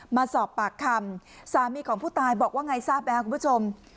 มาสอบปากคำสามีของผู้ตายบอกว่าไงทราบไหมครับคุณผู้ชม